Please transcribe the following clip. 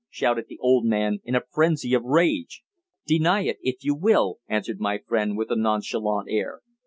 shouted the old man, in a frenzy of rage. "Deny it if you will," answered my friend, with a nonchalant air.